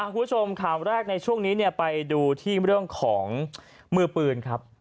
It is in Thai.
คุณผู้ชมข่าวแรกในช่วงนี้ไปดูที่เรื่องของมือปืนครับ